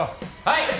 はい！